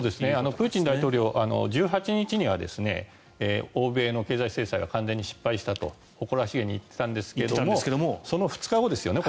プーチン大統領１８日には、欧米の経済制裁が完全に失敗したと誇らしげに言ってたんですけどもその２日後ですね